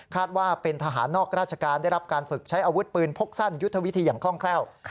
ว่าเป็นทหารนอกราชการได้รับการฝึกใช้อาวุธปืนพกสั้นยุทธวิธีอย่างคล่องแคล่ว